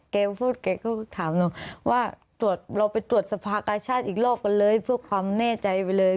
แกพูดแกก็ถามหนูว่าตรวจเราไปตรวจสภากาชาติอีกรอบกันเลยเพื่อความแน่ใจไปเลย